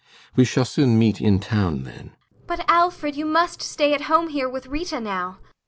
We shall soon meet in town, then. ASTA. [Imploringly.] But, Alfred, you must stay at home here with Rita now.